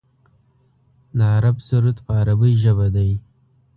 د عرب سرود په عربۍ ژبه دی.